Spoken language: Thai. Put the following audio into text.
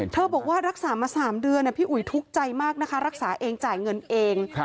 บอกว่ารักษามา๓เดือนพี่อุ๋ยทุกข์ใจมากนะคะรักษาเองจ่ายเงินเอง